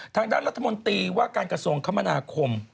ทางด้านรัฐมนตรีว่าการกระทรวงคมนาคม